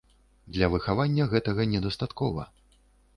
Для выхавання гэтага недастаткова.